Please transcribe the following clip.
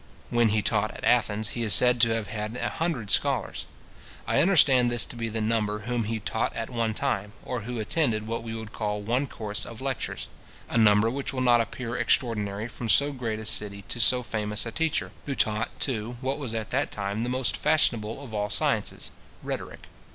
When he taught at Athens, he is said to have had a hundred scholars. I understand this to be the number whom he taught at one time, or who attended what we would call one course of lectures; a number which will not appear extraordinary from so great a city to so famous a teacher, who taught, too, what was at that time the most fashionable of all sciences, rhetoric.